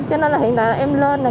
cho nên là hiện tại là em lên